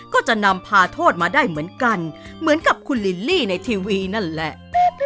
ก็จะนำพาโทษมาได้เหมือนกันเหมือนกับคุณลิลลี่ในทีวีนั่นแหละ